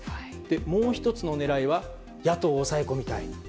もう１つの狙いは野党を抑え込みたい。